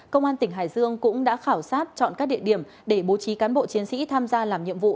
công an tỉnh hải dương cũng đã khảo sát chọn các địa điểm để bố trí cán bộ chiến sĩ tham gia làm nhiệm vụ